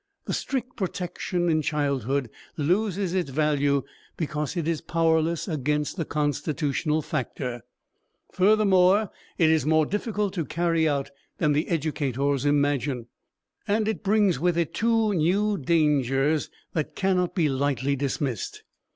The strict protection in childhood loses its value because it is powerless against the constitutional factor; furthermore, it is more difficult to carry out than the educators imagine, and it brings with it two new dangers that cannot be lightly dismissed.